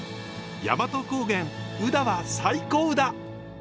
大和高原宇陀は最高だ！